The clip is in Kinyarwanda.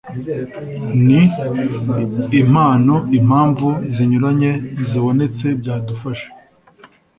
n impano impamvu zinyuranye zibonetse byadufasha